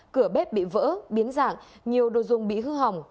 cửa bếp bị vỡ biến dạng nhiều đồ dùng bị hư hỏng